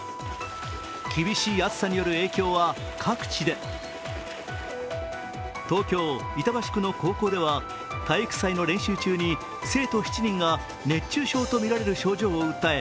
厳しい暑さによる影響は各地で東京・板橋区の高校では体育祭の練習中に生徒７人が熱中症とみられる症状を訴え